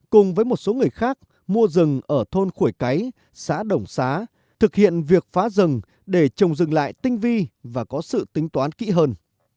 cùng với một số người khác mua rừng ở thôn khuổi cái xã đồng xá thực hiện việc phá rừng để trồng rừng lại tinh vi và có sự tính toán kỹ hơn